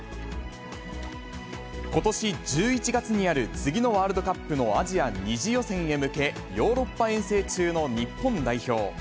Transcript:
ことし１１月にある次のワールドカップのアジア２次予選へ向け、ヨーロッパ遠征中の日本代表。